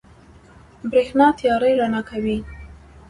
برېښنا تيارې رڼا کوي.